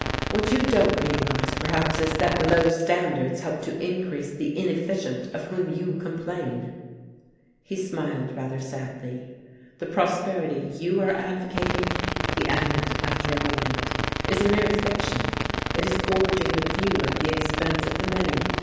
"What you don't realize, perhaps, is that low standards help to increase the inefficient of whom you complain." He smiled rather sadly. "The prosperity you are advocating," he added, after a moment, "is a mere fiction, it is gorging the few at the expense of the many.